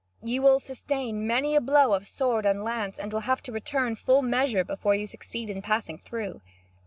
You will sustain many a blow of sword and lance, and will have to return full measure before you succeed in passing through."